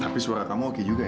tapi suara kamu oke juga ya